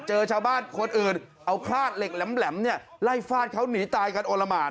เจอชาวบ้านคนอื่นเอาคราดเหล็กแหลมเนี่ยไล่ฟาดเขาหนีตายกันโอละหมาน